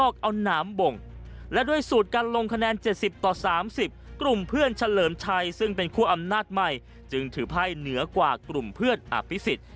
กลุ่มเพื่อนเฉลิมชัยซึ่งเป็นคั่วอำนาจใหม่จึงถือไพ่เหนือกว่ากลุ่มเพื่อนอภิษฎ